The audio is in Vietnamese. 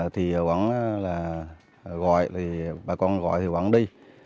thì bà con gọi thì bà con đi